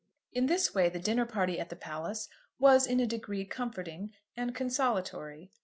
In this way the dinner party at the palace was in a degree comforting and consolatory.